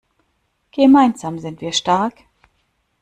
Gemeinsam sind wir stark.